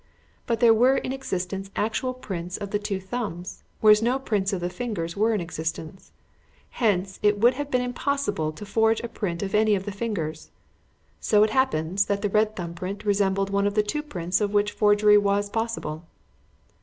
But there were in existence actual prints of the two thumbs, whereas no prints of the fingers were in existence; hence it would have been impossible to forge a print of any of the fingers. So it happens that the red thumb print resembled one of the two prints of which forgery was possible.